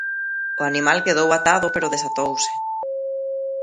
O animal quedou atado pero desatouse.